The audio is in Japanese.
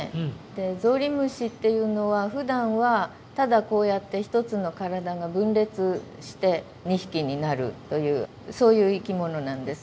でゾウリムシっていうのはふだんはただこうやって一つの体が分裂して２匹になるというそういう生きものなんです。